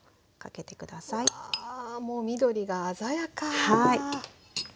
うわもう緑が鮮やか。